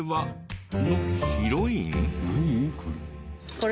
これ。